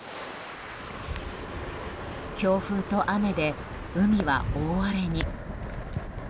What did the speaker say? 強風と雨で海は大荒れに。